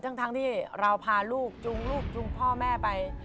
ทั้งที่เราพาลูกจูงลูกจูงพ่อแม่ไป